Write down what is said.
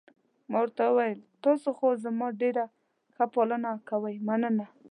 ما ورته وویل: تاسي خو زما ډېره ښه پالنه کوئ، مننه.